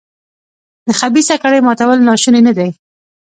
د خبیثه کړۍ ماتول ناشوني نه دي.